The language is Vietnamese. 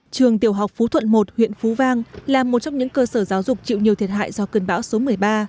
trường tiểu học phú thuận một huyện phú vang là một trong những cơ sở giáo dục chịu nhiều thiệt hại do cơn bão số một mươi ba